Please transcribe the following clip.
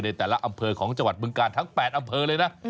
ในแต่ละอำเภอของจังหวัดบึงการทั้ง๘อำเภอเลยนะ